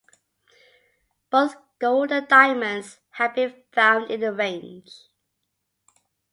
Both gold and diamonds have been found in the range.